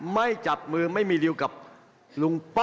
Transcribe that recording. ไม่จับมือไม่มีริวกับลุงป้อ